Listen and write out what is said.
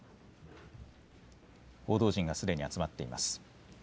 報道陣がすでに集まっています。